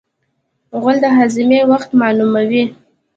غول د هاضمې وخت معلوموي.